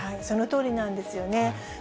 そのとおりなんですよね。